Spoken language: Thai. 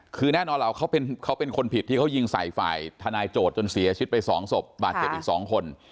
คือแน่นอนล่ะเขาเป็นคนผิดที่เขายิงใส่ฝ่ายทนายโจทย์จนเสียชีวิตไป๒ศพบาดเจ็บอีก๒คน